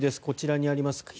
こちらにあります。